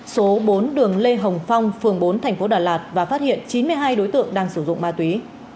số bốn đường lê hồng phong phường bốn thành phố đà lạt và phát hiện chín mươi hai đối tượng đang sử dụng ma túy